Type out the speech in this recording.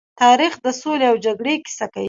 تاریخ د سولې او جګړې کيسه کوي.